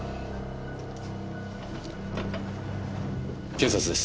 警察です。